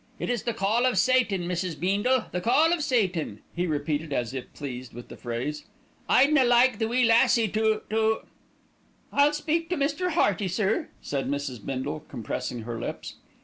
It is the call of Satan, Mrs. Beendle, the call of Satan," he repeated, as if pleased with the phrase. "I'd na like the wee lassie to to " "I'll speak to Mr. Hearty, sir," said Mrs. Bindle, compressing her lips.